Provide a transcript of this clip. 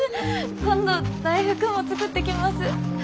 今度大福も作ってきます。